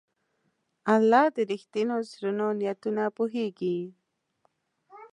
الله د رښتینو زړونو نیتونه پوهېږي.